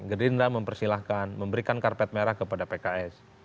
gerindra mempersilahkan memberikan karpet merah kepada pks